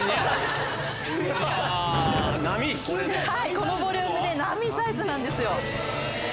このボリュームで並サイズなんですよ。